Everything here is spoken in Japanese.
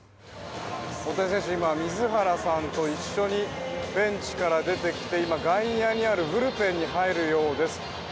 大谷選手、今、水原さんと一緒にベンチから出てきて外野にあるブルペンに入るようです。